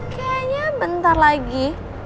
kayaknya bentar lagi